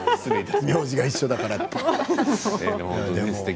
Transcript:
名字が同じだからって。